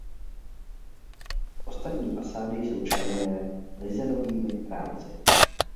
Ostatní fasády jsou členěné lizénovými rámci.